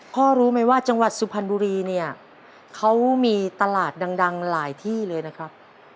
รู้ไหมว่าจังหวัดสุพรรณบุรีเนี่ยเขามีตลาดดังหลายที่เลยนะครับ